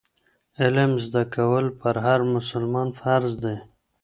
علم زده کول پر هر مسلمان فرض دي.